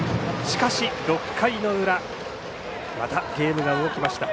しかし、６回の裏またゲームが動きました。